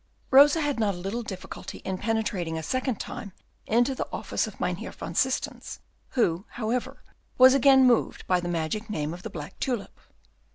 Rosa had not a little difficulty is penetrating a second time into the office of Mynheer van Systens, who, however, was again moved by the magic name of the black tulip.